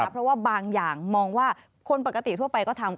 เพราะว่าบางอย่างมองว่าคนปกติทั่วไปก็ทำ